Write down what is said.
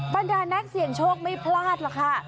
บรรดานักเสี่ยงโชคไม่พลาดหรอกค่ะ